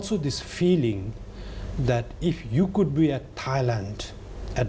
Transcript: พวกเราส่งโปรดภารกิจกับคนไทย